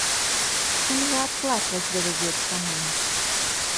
Чым жа адплачваць давядзецца нам?